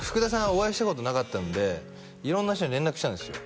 お会いしたことなかったんで色んな人に連絡したんですよ